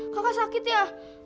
kakak sakit ya